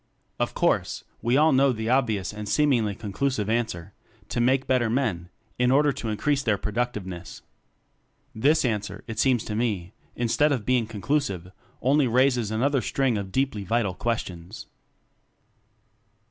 Of course, we all know the obvious and seemingly conclusive answer: To make better men in order to increase their productiveness. This answer, it seems to me, in stead of being conclusive, only raises another string of deeply vital ques tions.